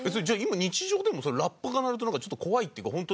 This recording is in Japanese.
じゃあ今日常でもラッパが鳴るとちょっと怖いっていうか